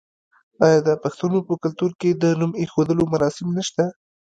آیا د پښتنو په کلتور کې د نوم ایښودلو مراسم نشته؟